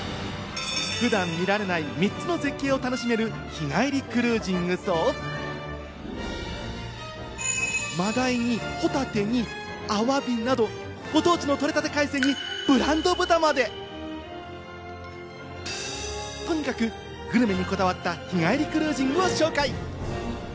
普段見られない３つの絶景を楽しめる日帰りクルージングと、真鯛にホタテにアワビなど、ご当地のとれたて海鮮にブランド豚まで、とにかくグルメにこだわった日帰りクルージングを紹介。